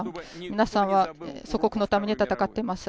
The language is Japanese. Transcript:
皆さんは祖国のために戦っています。